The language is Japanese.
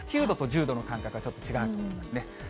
９度と１０度の感覚はちょっと違うと思うんですね。